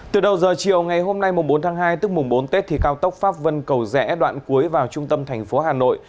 từ đầu giờ chiều ngày hôm nay bốn tháng hai tức mùng bốn tết thì cao tốc pháp vân cầu rẽ đoạn cuối vào trung tâm thành phố hà nội